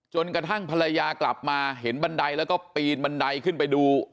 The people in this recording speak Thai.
จนกระทั่งภรรยากลับมาเห็นบันไดแล้วก็ปีนบันไดขึ้นไปดู